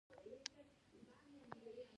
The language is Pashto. هېڅ مخالفت به ورسره ونه کړي.